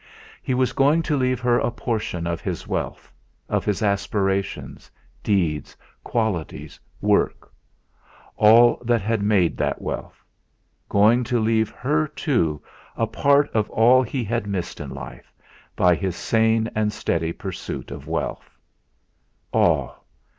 He was going to leave her a portion of his wealth, of his aspirations, deeds, qualities, work all that had made that wealth; going to leave her, too, a part of all he had missed in life, by his sane and steady pursuit of wealth. All!